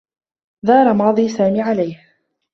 دار ماضي سامي عليه.